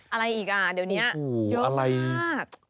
อะไรอีกอ่ะเดี๋ยวนี้